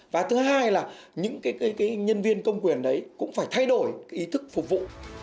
và thứ hai là những cái nhân viên công quyền đấy cũng phải thay đổi ý thức phục vụ